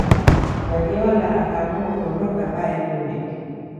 guardiola akaamua kuondoka bayern munich